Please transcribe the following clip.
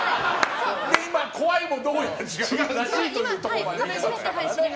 今、怖いもどうやら違うなというところまで。